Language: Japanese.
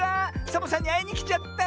サボさんにあいにきちゃった！